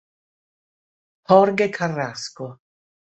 Jorge Carrasco